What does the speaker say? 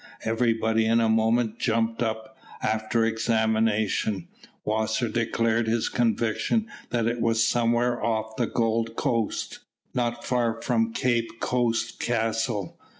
Everybody in a moment jumped up. After examination, Wasser declared his conviction that it was somewhere off the Gold Coast, not far from Cape Coast Castle.